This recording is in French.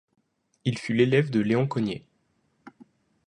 Il fut l'élève de Léon Cogniet.